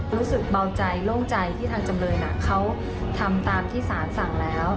รู้สึกเบาใจโล่งใจที่ทางจำเลยเขาทำตามที่สารสั่งแล้ว